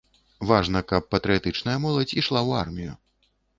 Важна, каб патрыятычная моладзь ішла ў армію.